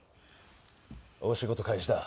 お仕事開始だ。